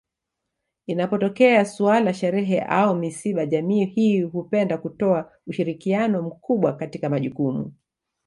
Inapotokea suala sherehe au misiba jamii hii hupenda kutoa ushirikiano mkubwa katika majukumu